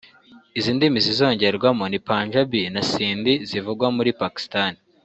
Izi ndimi zizongerwamo ni Panjābī na Sindhi zivugwa muri Pakistan